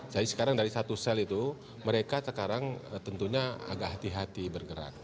jadi sekarang dari satu sel itu mereka sekarang tentunya agak hati hati bergerak